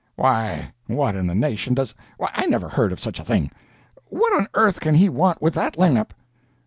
"Why what in the nation does—why I never heard of such a thing? What on earth can he want with that lamp?"